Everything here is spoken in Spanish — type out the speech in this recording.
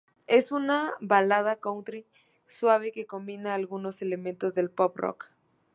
Es una balada "country" suave que combina algunos elementos del "pop rock".